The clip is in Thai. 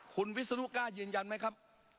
คุณวิสุนุก้าเย็นไหมครับ